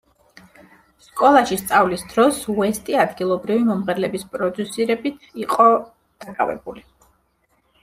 სკოლაში სწავლის დროს, უესტი ადგილობრივი მომღერლების პროდიუსირებით იყო დაკავებული.